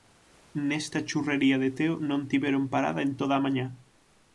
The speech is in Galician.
Nesta churrería de Teo non tiveron parada en toda a mañá.